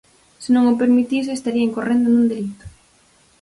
Se non o permitise, estaría incorrendo nun delito.